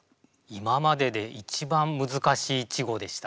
今までで一番難しい稚語でした。